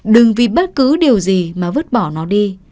đừng vì bất cứ điều gì mà vứt bỏ nó đi